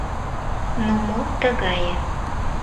Ну мо тыгае?